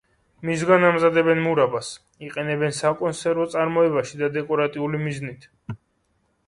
მისგან ამზადებენ მურაბას, იყენებენ საკონსერვო წარმოებაში და დეკორატიული მიზნით.